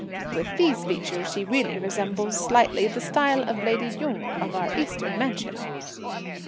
"With these features she really resembles slightly the style of lady Jung of our Eastern Mansion."